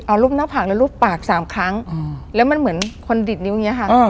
เอารูปหน้าผากแล้วรูปปากสามครั้งแล้วมันเหมือนคนดิดนิ้วอย่างนี้ค่ะ